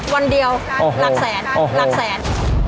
วันเดียวหลักแสน